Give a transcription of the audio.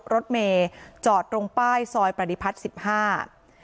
รถเมจอดตรงป้ายซอยประดิพัฒน์๑๕